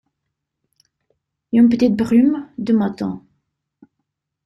Une petite brume de matin.